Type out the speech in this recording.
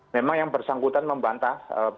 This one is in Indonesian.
memang yang bersangkutan membantah